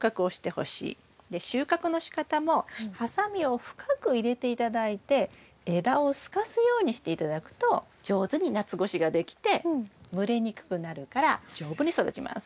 で収穫のしかたもハサミを深く入れて頂いて枝をすかすようにして頂くと上手に夏越しができて蒸れにくくなるから丈夫に育ちます。